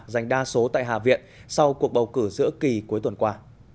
giành đa số tại hạ viện sau cuộc bầu cử giữa kỳ cuối tuần qua